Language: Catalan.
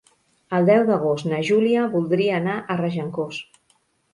El deu d'agost na Júlia voldria anar a Regencós.